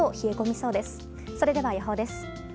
それでは予報です。